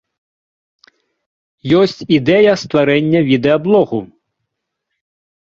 Ёсць ідэя стварэння відэаблогу.